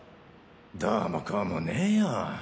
どうもこうもねぇよ。